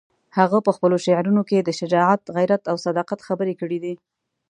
هغه په خپلو شعرونو کې د شجاعت، غیرت او صداقت خبرې کړې دي.